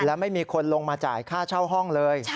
และไม่มีคนลงมาจ่ายค่าเช่าห้องเลย